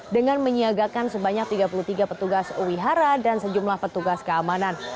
dengan menyiagakan sebanyak tiga puluh tiga petugas wihara dan sejumlah petugas keamanan